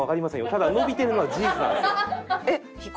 ただ伸びてるのは事実なんですよ。